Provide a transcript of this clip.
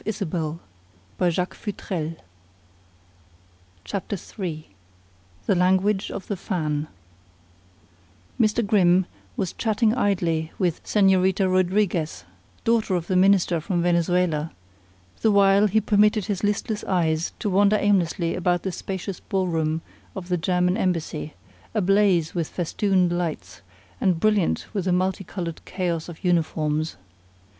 "I will begin work at once." III THE LANGUAGE OF THE FAN Mr. Grimm was chatting idly with Señorita Rodriguez, daughter of the minister from Venezuela, the while he permitted his listless eyes to wander aimlessly about the spacious ball room of the German embassy, ablaze with festooned lights, and brilliant with a multi colored chaos of uniforms.